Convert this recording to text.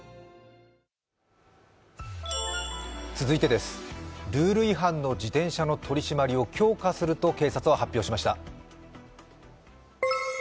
続いて、ルール違反の自転車の取り締まりを強化すると警察が発表しました。